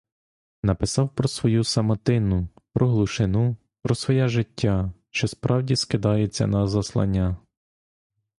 Написав про свою самотину, про глушину, про своє життя, що справді скидається на заслання.